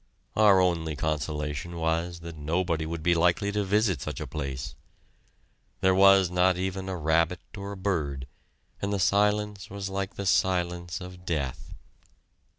Our only consolation was that nobody would be likely to visit such a place. There was not even a rabbit or a bird, and the silence was like the silence of death.